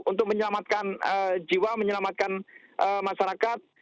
untuk menyelamatkan jiwa menyelamatkan masyarakat